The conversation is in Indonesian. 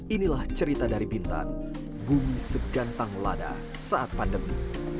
inilah cerita dari bintan bumi segantang lada saat pandemi